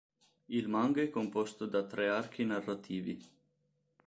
Il manga è composto da tre archi narrativi.